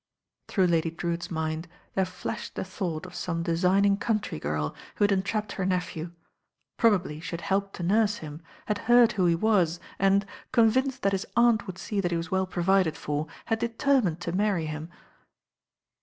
Through Lady Drcwitt's mind there flashed the thought of some designing country girl, who had entrapped her nephew. Probably she had helped to nurse him, had heard who he was and, convinced that his aunt would see he was well provided for, had determined to marry him.